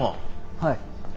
はい。